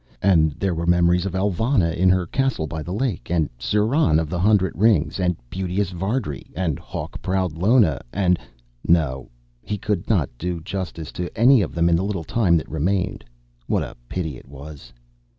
And there were memories of Elvanna in her castle by the lake, and Sirann of the Hundred Rings, and beauteous Vardry, and hawk proud Lona, and No, he could not do justice to any of them in the little time that remained. What a pity it was!